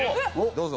どうぞ！